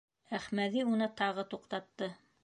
Әхмәҙи уны тағы туҡтатты: